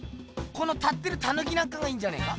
この立ってるタヌキなんかがいいんじゃねえか。